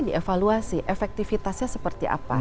dievaluasi efektifitasnya seperti apa